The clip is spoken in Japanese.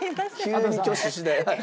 急に挙手しない。